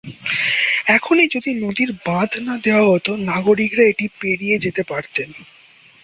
এখনই যদি নদীর বাঁধ না দেওয়া হতো "নাগরিকরা এটি পেরিয়ে যেতে পারতেন"।